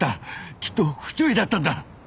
きっと不注意だったんだ。